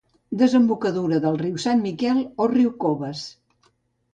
Desembocadura del riu Sant Miquel o riu Coves